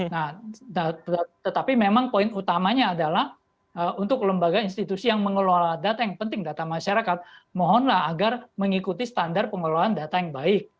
nah tetapi memang poin utamanya adalah untuk lembaga institusi yang mengelola data yang penting data masyarakat mohonlah agar mengikuti standar pengelolaan data yang baik